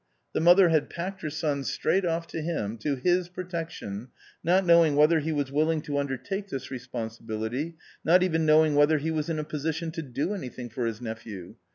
The mother had packed her son straight off to him, to his protection, not knowing whether he was willing to under take this responsibility, not even knowing whether he was in a position to do anything for his nephew.